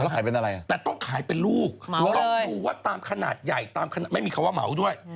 บาทและต้องขายเป็นลูกแล้วต้องดูเว่ตามขนาดใหญ่ไม่มีคำว่าเหมาด้วย